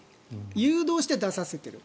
誘導して出させている。